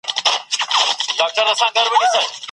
علم د ټولنې د سوکالۍ لپاره دوامدار بنسټ جوړوي او ستونزې کموي.